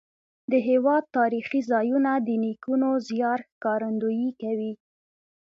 د هېواد تاریخي ځایونه د نیکونو زیار ښکارندویي کوي.